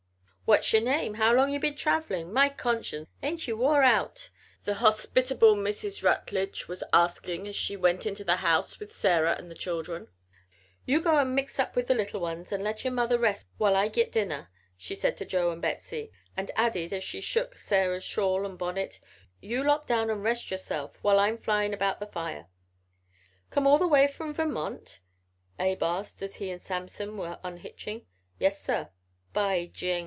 '" "What's yer name? How long ye been travelin'? My conscience! Ain't ye wore out?" the hospitable Mrs. Rutledge was asking as she went into the house with Sarah and the children. "You go and mix up with the little ones and let yer mother rest while I git dinner," she said to Joe and Betsey, and added as she took Sarah's shawl and bonnet: "You lop down an' rest yerself while I'm flyin' around the fire." "Come all the way from Vermont?" Abe asked as he and Samson were unhitching. "Yes, sir." "By jing!"